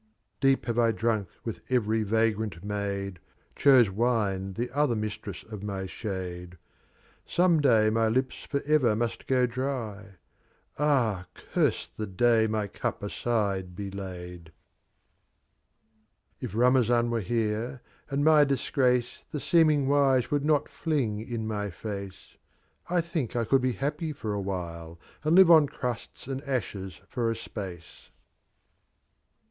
X, Deep have I dnjnk wrth every vagrant MsJd P Chose Witt? the other Mistress of m> Shade. Some day Itfy Lips forever must go dry. Ah, curse the Day my Cup aside be laid. XI, If Kamayan wete here, and my Disgr^c?, The setming W%* would not flinj m my Face,‚Äî I think T could be happy lor i while, And Elve cm Crusta and Ashes, for a Space.